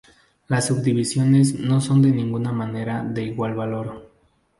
Las subdivisiones no son de ninguna manera de igual valor.